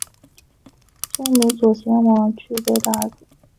匈奴右贤王去卑的儿子。